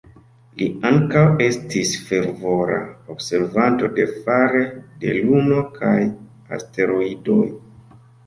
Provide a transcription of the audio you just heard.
Li ankaŭ estis fervora observanto de fare de Luno kaj asteroidoj.